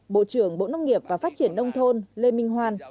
bộ trưởng bộ nông nghiệp và phát triển nông thôn lê minh hoan